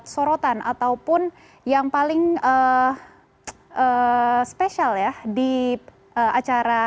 sorotan ataupun yang paling spesial ya di acara